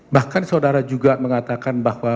bahkan saudara juga mengatakan bahwa